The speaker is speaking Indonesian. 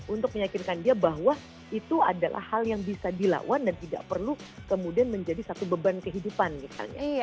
untuk meyakinkan dia bahwa itu adalah hal yang bisa dilawan dan tidak perlu kemudian menjadi satu beban kehidupan misalnya